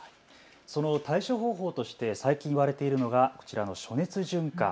その対処方法として最近、言われているのがこちらの暑熱順化。